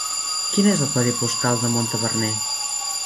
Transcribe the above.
Quin és el codi postal de Montaverner?